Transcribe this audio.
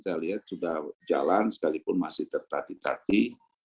saya lihat sudah jalan sekalipun masih tertati tati